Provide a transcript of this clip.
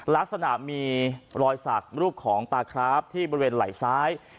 ลักษณะมีรอยสักรูปของตาคราฟที่บริเวณไหล่ซ้าย